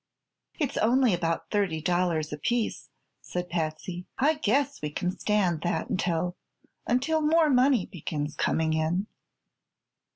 "It's only about thirty dollars apiece," said Patsy. "I guess we can stand that until until more money begins coming in."